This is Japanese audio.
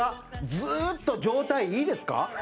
ずーっと状態いいですか？